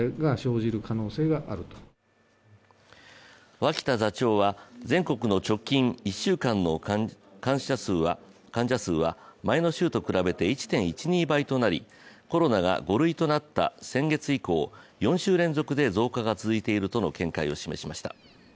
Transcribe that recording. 脇田座長は全国の直近１週間の患者数は前の週と比べて１．１２倍となりコロナが５類となった先月以降、４週連続で増加が続いているとの見解を示しました。